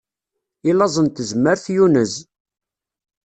I laẓ n tezmert yunez.